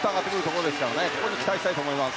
ここに期待したいと思います。